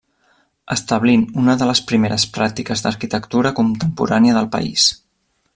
Establint una de les primeres pràctiques d'arquitectura contemporània del país.